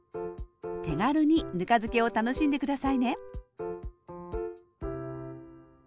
手軽にぬか漬けを楽しんで下さいね